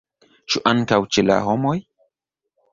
Ĉu ankaŭ ĉe la homoj?